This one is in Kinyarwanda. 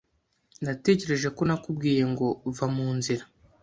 Natekereje ko nakubwiye ngo va mu nzira.